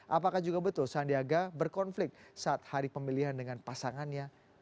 apakah juga betul sandiaga berkonflik saat hari pemilihan dengan pasangannya